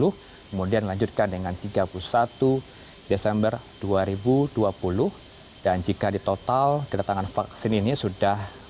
kemudian dilanjutkan dengan tiga puluh satu desember dua ribu dua puluh dan jika di total kedatangan vaksin ini sudah